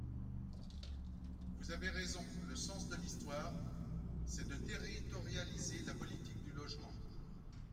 Vous avez raison, le sens de l’histoire, c’est de territorialiser la politique du logement.